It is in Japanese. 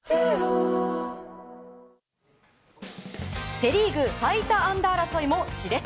セ・リーグ最多安打争いも熾烈。